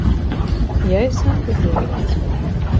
Я і сам люблю выпіць.